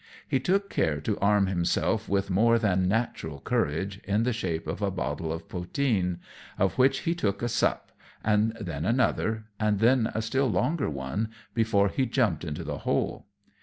He took care to arm himself with more than natural courage, in the shape of a bottle of potheen, of which he took a sup, and then another, and then a still longer one, before he jumped into the hole.